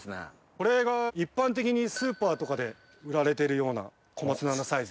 これが一般的にスーパーとかで売られてるような小松菜のサイズ。